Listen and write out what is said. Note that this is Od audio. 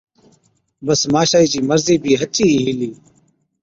بس ماشائِي چِي مرضِي بِي هچ ئِي هِلِي۔